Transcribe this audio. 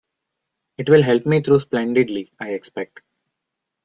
It will help me through splendidly, I expect.